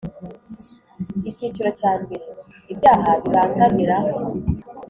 Icyiciro Cya Mbere Ibyaha Bibangamira